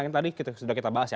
yang tadi sudah kita bahas ya